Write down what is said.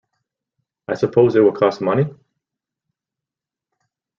I suppose it will cost money?